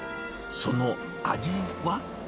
その味は？